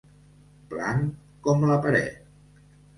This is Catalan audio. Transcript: Blanc com la paret.